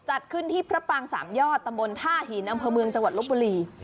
จัดขึ้นที่พระปางสามยอดตำบลท่าหินอำเภอเมืองจังหวัดลบบุรี